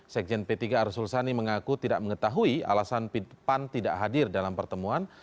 sekjen p tiga arsul sani mengaku tidak mengetahui alasan pan tidak hadir dalam pertemuan